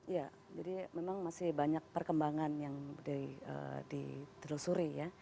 ya jadi memang masih banyak perkembangan yang ditelusuri ya